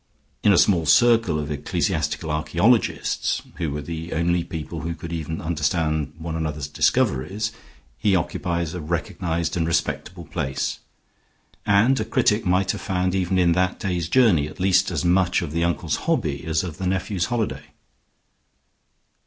In a small circle of ecclesiastical archaeologists, who were the only people who could even understand one another's discoveries, he occupied a recognized and respectable place. And a critic might have found even in that day's journey at least as much of the uncle's hobby as of the nephew's holiday.